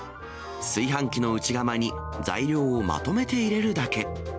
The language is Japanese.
炊飯器の内釜に材料をまとめて入れるだけ。